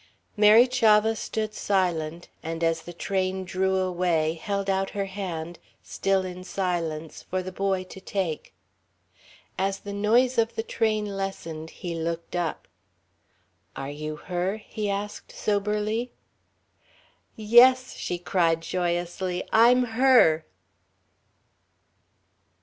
Mary Chavah stood silent, and as the train drew away held out her hand, still in silence, for the boy to take. As the noise of the train lessened, he looked up. "Are you her?" he asked soberly. "Yes," she cried joyously, "I'm her!"